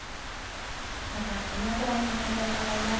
まずは木村九段にお話を伺います。